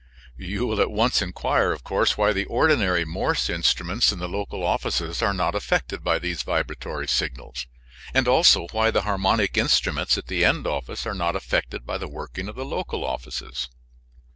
You will at once inquire why the ordinary Morse instruments in the local offices are not affected by these vibratory signals, and also why the harmonic instruments at the end office are not affected by the working of the local offices.